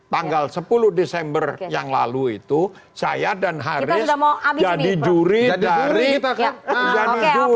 tanggal sepuluh desember yang lalu itu saya dan haris jadi juri dari tiga